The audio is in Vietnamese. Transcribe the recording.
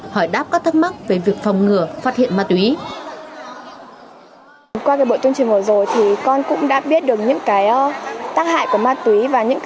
hỏi đáp các thắc mắc về việc phòng ngừa phát hiện ma túy